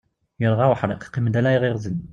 Irɣa uḥriq qqimen-d ala iɣiɣden.